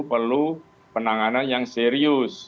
perlu penanganan yang serius